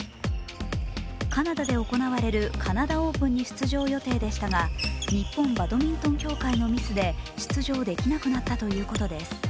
カナダで行われるカナダオープンに出場予定でしたが日本バドミントン協会のミスで出場できなくなったということです。